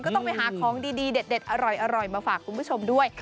ก็ต้องไปหาของดีเด็ดอร่อยมาฝากคุณผู้ชมด้วย